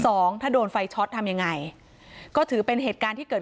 ถ้าโดนไฟช็อตทำยังไงก็ถือเป็นเหตุการณ์ที่เกิด